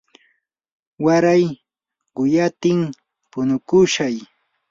waray quyatim punukushaq.